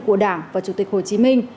của đảng và chủ tịch hồ chí minh